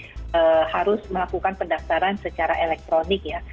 jadi harus melakukan pendaftaran secara elektronik ya